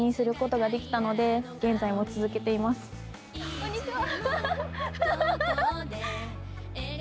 こんにちは。